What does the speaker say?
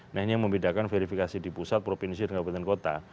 nah ini yang membedakan verifikasi di pusat provinsi dan kabupaten kota